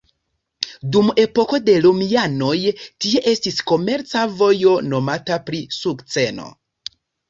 Dum epoko de romianoj tie estis komerca vojo nomata pri sukceno.